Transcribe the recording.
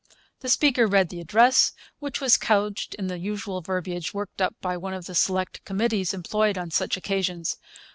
The speaker read the address, which was couched in the usual verbiage worked up by one of the select committees employed on such occasions.